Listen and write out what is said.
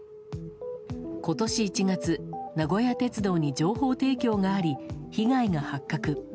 今年１月名古屋鉄道に情報提供があり被害が発覚。